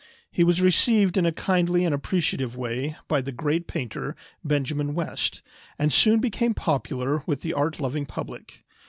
He was received in a kindly and appreciative way by the great painter, Benjamin West, and soon became popular with the art loving public.